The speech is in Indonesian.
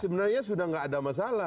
sebenarnya sudah tidak ada masalah